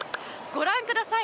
ご覧ください！